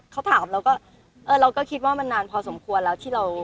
เขาถามเราก็เราก็คิดว่ามันนานพอสมควรแล้ว